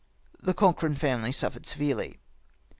the Cochrane family suffered severely.